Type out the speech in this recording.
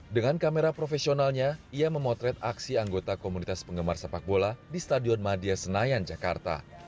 dengan kamera profesionalnya ia memotret aksi anggota komunitas penggemar sepak bola di stadion madia senayan jakarta